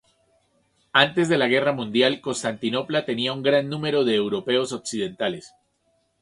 Antes de la guerra mundial Constantinopla tenía un gran número de europeos occidentales.